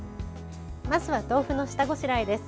まずは豆腐の下ごしらえです。